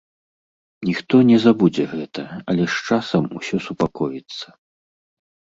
Ніхто не забудзе гэта, але з часам усё супакоіцца.